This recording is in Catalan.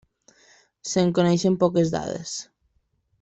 Se'n coneixen poques dades.